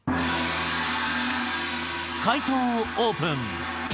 解答をオープン。